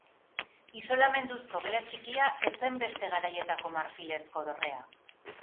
Isolamenduzko gela txikia ez zen beste garaietako marfilezko dorrea.